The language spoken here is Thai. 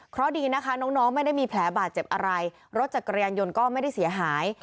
เพราะดีนะคะน้องไม่ได้มีแผลบาดเจ็บอะไรรถจักรยานยนต์ก็ไม่ได้เสียหาย